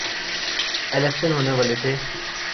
election ہونے والے تھے